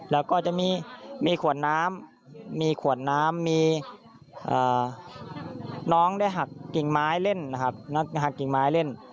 แล้วก็จะมีขวดน้ำน้องได้หักกิ่งไม้เล่น